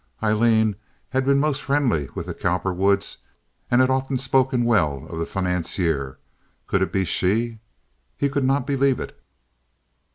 Aileen had been most friendly with the Cowperwoods, and had often spoken well of the financier. Could it be she? He could not believe it.